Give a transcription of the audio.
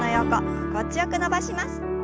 心地よく伸ばします。